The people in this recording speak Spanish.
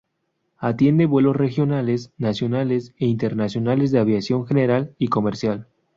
Atiende vuelos regionales, nacionales e internacionales de aviación general y comercial.